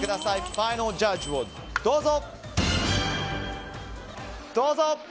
ファイナルジャッジをどうぞ。